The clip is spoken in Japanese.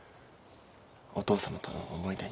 お父さまとの思い出に。